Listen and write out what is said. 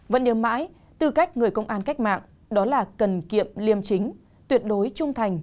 vẫn điềm mãi tư cách người công an cách mạng đó là cần kiệm liêm chính tuyệt đối trung thành